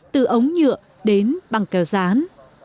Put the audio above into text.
từ ống nhựa đến băng kéo rán